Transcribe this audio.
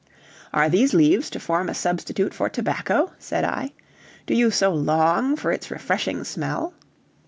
"Are these leaves to form a substitute for tobacco?" said I; "do you so long for its refreshing smell?"